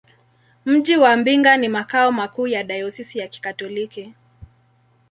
Mji wa Mbinga ni makao makuu ya dayosisi ya Kikatoliki.